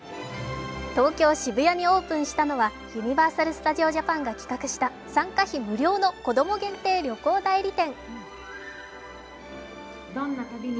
東京・渋谷にオープンしたのはユニバーサル・スタジオ・ジャパンが企画した参加費無料のこども限定旅行代理店。